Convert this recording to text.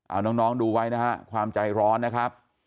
เอาน้องดูไว้นะฮะความใจร้อนนะครับ